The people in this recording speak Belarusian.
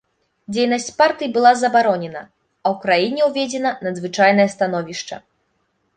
Дзейнасць партый была забаронена, а ў краіне ўведзена надзвычайнае становішча.